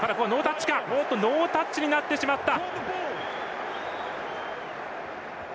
ノータッチになってしまった。